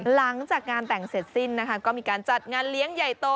หลังจากงานแต่งเสร็จสิ้นนะคะก็มีการจัดงานเลี้ยงใหญ่โต